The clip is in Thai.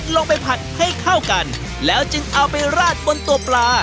ลงไปผัดให้เข้ากันแล้วจึงเอาไปราดบนตัวปลา